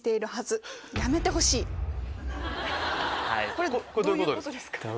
これどういうことですか？